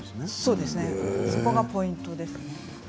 それがポイントです。